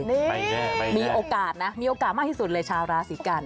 ไม่แน่ไม่แน่มีโอกาสนะมีโอกาสมากที่สุดเลยชาวราศรีกัน